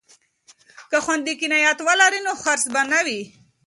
که خویندې قناعت ولري نو حرص به نه وي.